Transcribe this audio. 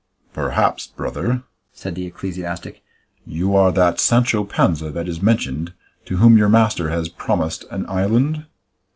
"Perhaps, brother," said the ecclesiastic, "you are that Sancho Panza that is mentioned, to whom your master has promised an island?"